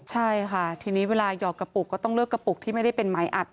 ใช่ค่ะทีนี้เวลาหยอกกระปุกก็ต้องเลือกกระปุกที่ไม่ได้เป็นหมายอัด